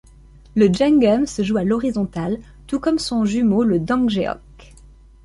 Le junggeum se joue à l' horizontal tout comme son jumeau le Dangjeok.